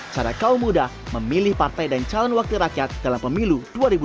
cara kaum muda memilih partai dan calon wakil rakyat dalam pemilu dua ribu dua puluh